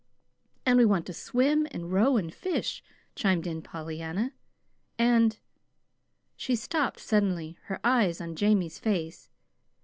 "And we want to swim and row and fish," chimed in Pollyanna. "And " She stopped suddenly, her eyes on Jamie's face.